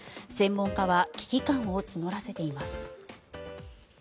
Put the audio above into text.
専門家は危機感を募らせています。